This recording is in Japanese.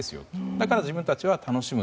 だから自分たちは楽しむ。